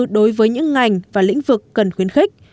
đối với những ngành và lĩnh vực cần khuyến khích